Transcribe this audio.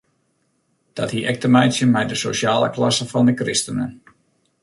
Dat hie ek te meitsjen mei de sosjale klasse fan de kristenen.